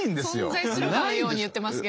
存在するかのように言ってますけど。